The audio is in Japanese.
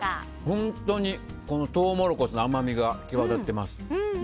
本当にトウモロコシの甘みが際立ってます。